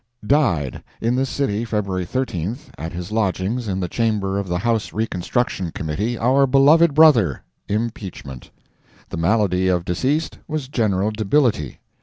DIED, In this city, Feb. 13, at his lodgings in the chamber of the House Reconstruction Committee, our beloved brother, IMPEACHMENT. The malady of deceased was general debility.